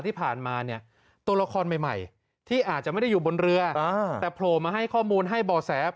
ตัวละครใหม่ที่อาจจะไม่ได้อยู่บนเรือแต่โผล่มาให้ข้อมูลให้บ่อแส